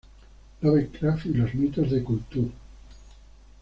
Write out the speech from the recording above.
Lovecraft y los mitos de Cthulhu.